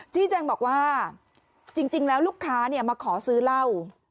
แจ้งบอกว่าจริงแล้วลูกค้ามาขอซื้อเหล้า